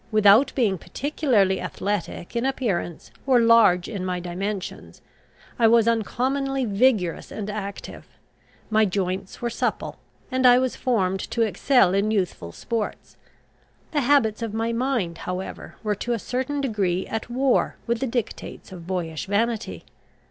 Without being particularly athletic in appearance, or large in my dimensions, I was uncommonly vigorous and active. My joints were supple, and I was formed to excel in youthful sports. The habits of my mind, however, were to a certain degree at war with the dictates of boyish vanity.